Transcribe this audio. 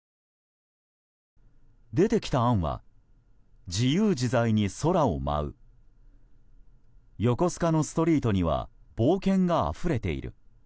出てきた案は「自由自在に空を舞う」「横須賀のストリートには冒険があふれている」。